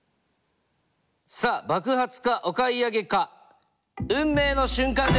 さあ爆発かお買い上げか運命の瞬間です！